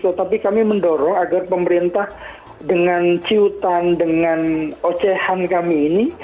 tetapi kami mendorong agar pemerintah dengan ciutan dengan ocehan kami ini